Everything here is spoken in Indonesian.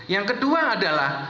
yang kedua adalah